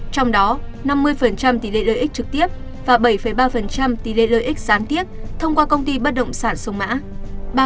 trong đó năm mươi tỷ lệ lợi ích trực tiếp và bảy ba tỷ lệ lợi ích gián tiếp thông qua công ty bất động sản sông mã